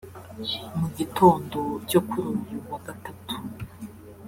Mu gitondo cyo kuri uyu wagatatu